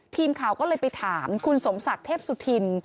ทีมข่าวก็เลยไปถามคุณสมศักดิ์เทพสุธิน